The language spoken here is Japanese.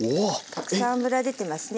たくさん脂出てますね。